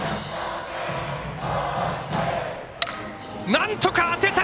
なんとか当てた！